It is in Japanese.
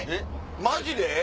マジで？